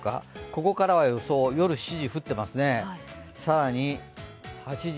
ここからは予想、夜７時、降ってますね。